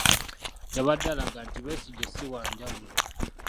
Yabadde alaga nti Besigye ssi wanjawulo.